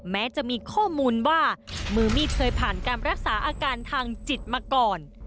แม้จะมีข้อมูลว่ามือมีดเคยผ่านการรักษาอาการทางจิตมาก่อน